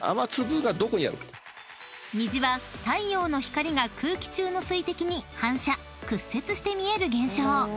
［虹は太陽の光が空気中の水滴に反射・屈折して見える現象］